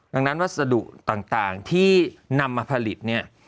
ดังนั้นวัสดุต่างที่นำมาผลิตเนี่ย